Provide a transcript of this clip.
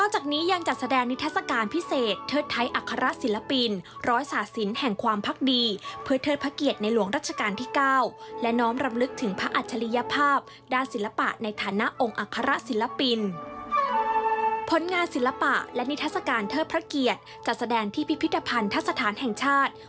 จัดแสดงที่พิพิธภัณฑ์ทัศนฐานแห่งชาติ